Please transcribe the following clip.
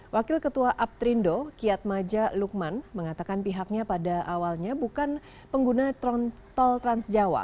wakil ketua aptrindo kiat maja lukman mengatakan pihaknya pada awalnya bukan pengguna tol transjawa